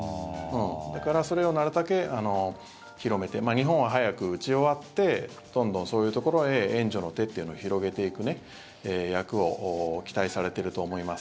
だから、それをなるたけ広めて日本は早く打ち終わってどんどんそういうところへ援助の手というのを広げていく役を期待されていると思います。